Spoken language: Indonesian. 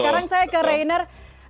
sekarang saya ke rainer